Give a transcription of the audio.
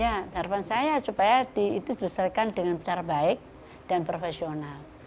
ya sarapan saya supaya itu diselesaikan dengan cara baik dan profesional